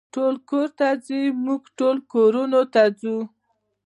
ټول کور ته ځي، موږ ټول کورونو ته ځو.